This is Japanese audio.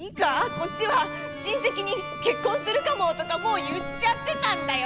こっちは親戚に「結婚するかも」とかもう言っちゃってたんだよ！